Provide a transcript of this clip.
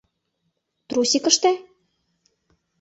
Трусикыште?